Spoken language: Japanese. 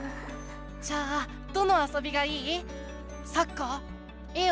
じゃあどのあそびがいい？